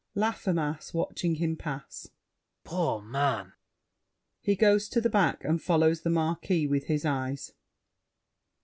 LAFFEMAS (watching him pass). Poor man! [He goes to the back and follows The Marquis with his eyes.